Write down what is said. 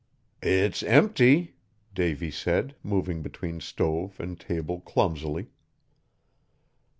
"It's empty," Davy said, moving between stove and table clumsily.